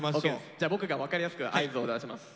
じゃあ僕が分かりやすく合図を出します。